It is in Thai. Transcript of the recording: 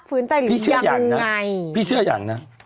ฟื้นใจหรือยังไงพี่เชื่ออย่างน่ะพี่เชื่ออย่างน่ะ